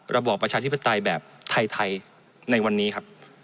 ระบอบประชาธิปไตยแบบไทยในวันนี้ครับ